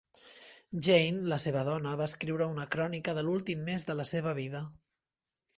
Jane, la seva dona, va escriure una crònica de l'últim mes de la seva vida.